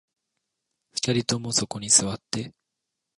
二人ともそこに座って